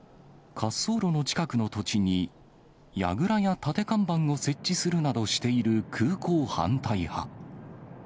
滑走路の近くの土地に、やぐらや立て看板を設置するなどしている空港反対派。